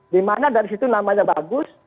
dimana dari situ namanya bagus